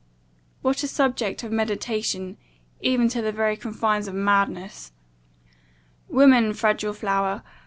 What a subject of meditation even to the very confines of madness. "Woman, fragile flower!